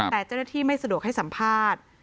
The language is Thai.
แต่เจ้าหน้าที่ไม่สะดวกให้สัมภาษณ์